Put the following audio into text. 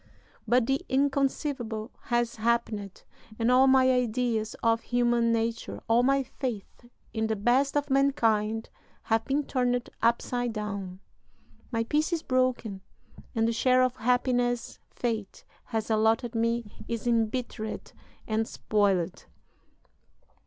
But the inconceivable has happened, and all my ideas of human nature, all my faith in the best of mankind, have been turned upside down. My peace is broken, and the share of happiness fate has allotted me is embittered and spoiled."